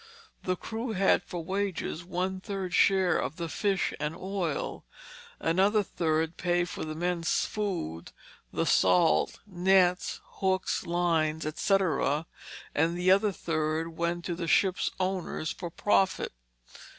The crew had for wages one third share of the fish and oil; another third paid for the men's food, the salt, nets, hooks, lines, etc.; the other third went to the ship's owners for profit.